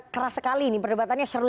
keras sekali perdebatannya seru